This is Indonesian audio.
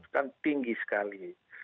kan tinggi sekali